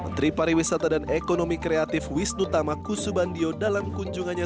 menteri pariwisata dan ekonomi kreatif wisnu tama kusubandio dalam kunjungannya